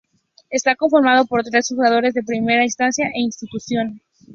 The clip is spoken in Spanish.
Está conformado por tres juzgados de primera instancia e instrucción..